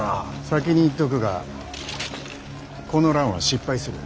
先に言っとくがこの乱は失敗する。